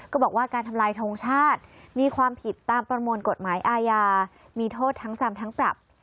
ก็บอกว่าการทำลายทงชาติมีความผิดตามประมวลกฎหมายอาญามีโทษทั้งจำทั้งปรับ